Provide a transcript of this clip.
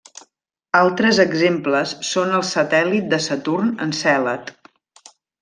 Altres exemples són el satèl·lit de Saturn Encèlad.